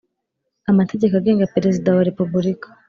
amategeko agenga Perezida wa Repubulika.